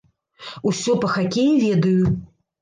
Усё па хакеі ведаю.